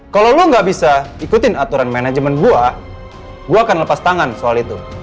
kalau lo gak bisa ikutin aturan manajemen gue lo akan lepas tangan soal itu